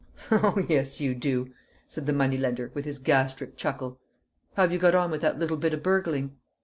"Oh yes you do!" said the money lender, with his gastric chuckle. "How've you got on with that little bit o' burgling?"